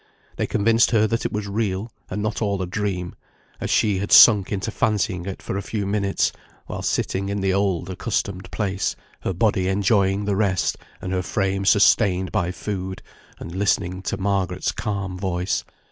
They convinced her that it was real, and not all a dream, as she had sunk into fancying it for a few minutes, while sitting in the old accustomed place, her body enjoying the rest, and her frame sustained by food, and listening to Margaret's calm voice.